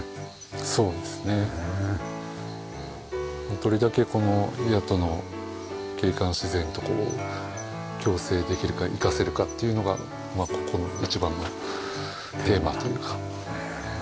どれだけこの谷戸の景観自然と共生できるか生かせるかっていうのがここの一番のテーマというか。